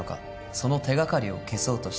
その手掛かりを消そうとした。